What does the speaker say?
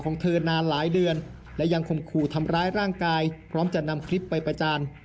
เธอนานหลายเดือนและยังข่มขู่ทำร้ายร่างกายพร้อมจะนำคลิปไปประจาน